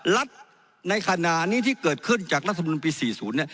ในขณะนี้ที่เกิดขึ้นจากรัฐมนุนปี๔๐เนี่ย